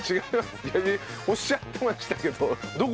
おっしゃってましたけど。